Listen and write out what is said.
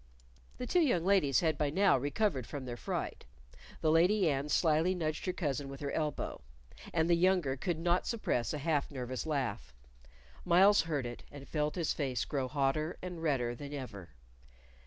The two young ladies had by now recovered from their fright. The Lady Anne slyly nudged her cousin with her elbow, and the younger could not suppress a half nervous laugh. Myles heard it, and felt his face grow hotter and redder than ever.